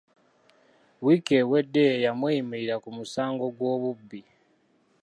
Wiiki ewedde ye yamweyimirira ku musango gw’obubbi.